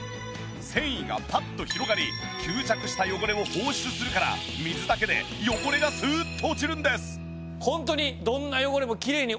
繊維がパッと広がり吸着した汚れを放出するから水だけで汚れがスーッと落ちるんです。